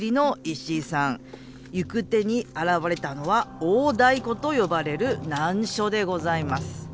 行く手に現れたのは大太鼓と呼ばれる難所でございます。